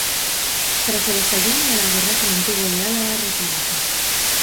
Tras el estallido de la guerra se mantuvo leal a la República.